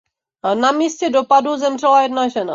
Na místě dopadu zemřela jedna žena.